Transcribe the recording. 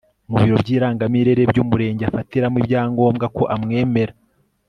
mu biro by'irangamimerere by'umurenge afatiramo ibyangombwa ko amwemera